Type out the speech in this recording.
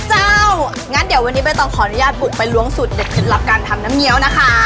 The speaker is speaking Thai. งั้นเดี๋ยววันนี้ใบตองขออนุญาตบุกไปล้วงสูตรเด็ดเคล็ดลับการทำน้ำเงี้ยวนะคะ